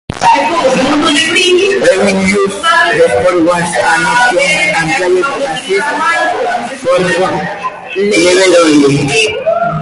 Previously the sport was an option and played at Sixth Form level only.